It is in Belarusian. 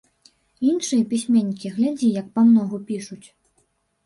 Іншыя пісьменнікі, глядзі, як памногу пішуць.